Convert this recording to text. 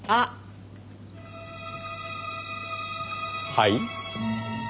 はい？